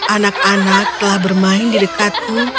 anak anak telah bermain di dekatku